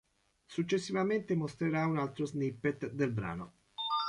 Successivamente mostrerà un altro snippet del brano.